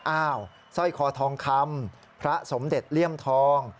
สร้อยคอทองคำพระสมเด็จเลี่ยมทอง